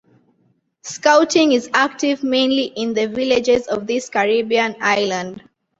Scouting is active mainly in the villages of this Caribbean island.